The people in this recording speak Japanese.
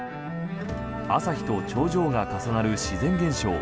朝日と頂上が重なる自然現象